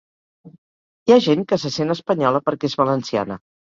Hi ha gent que se sent espanyola perquè és valenciana.